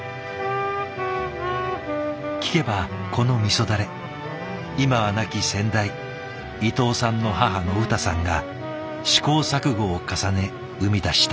聞けばこの味だれ今は亡き先代伊藤さんの母のウタさんが試行錯誤を重ね生み出した味。